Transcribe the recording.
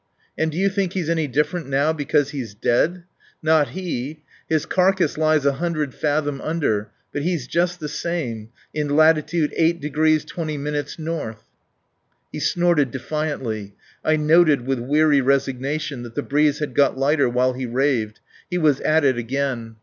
And do you think he's any different now because he's dead? Not he! His carcass lies a hundred fathom under, but he's just the same ... in latitude 8 d 20' north." He snorted defiantly. I noted with weary resignation that the breeze had got lighter while he raved. He was at it again.